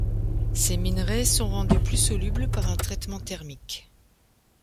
Ces minerais sont rendus plus solubles par un traitement thermique.